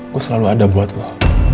gue selalu ada buat lo